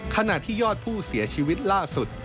ขณะที่ยอดผู้เสียชีวิตล่าสุด